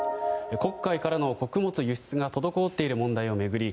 黒海からの穀物輸出が滞っている問題を巡り